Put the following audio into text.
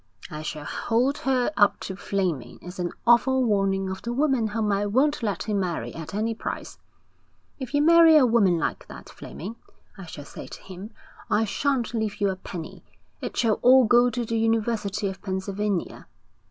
'I shall hold her up to Fleming as an awful warning of the woman whom I won't let him marry at any price. "If you marry a woman like that, Fleming," I shall say to him, "I shan't leave you a penny. It shall all go the University of Pennsylvania."'